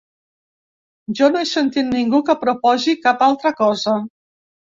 Jo no he sentit ningú que proposi cap altra cosa.